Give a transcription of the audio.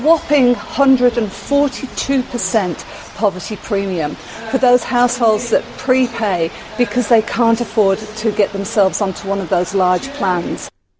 ada satu ratus empat puluh dua premium kemampuan untuk rumah rumah yang berbelanja karena mereka tidak dapat menerima pelayanan besar